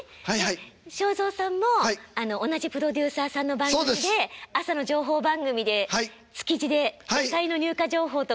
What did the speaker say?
正蔵さんも同じプロデューサーさんの番組で朝の情報番組で築地で野菜の入荷情報とかを。